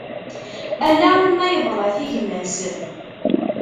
Ala ma yeḍla-t i gma-s.